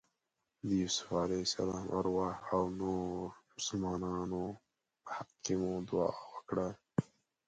د یوسف علیه السلام ارواح او نورو مسلمانانو په حق کې مو دعا وکړه.